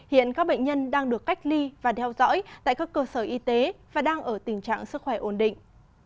hiện các bệnh nhân đang được cách ly và đeo dõi tại các cơ sở y tế và đang ở tình trạng sức khỏe ổn định